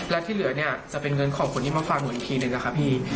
และที่เหลือเนี่ยจะเป็นเงินของคนที่มาฝากหนูอีกทีหนึ่งนะคะพี่